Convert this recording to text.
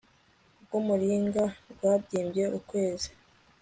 rwumuringa rwabyimbye ukwezi